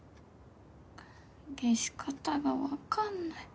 消し方がわかんない。